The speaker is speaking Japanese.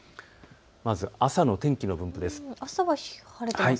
まず朝の天気の分布です。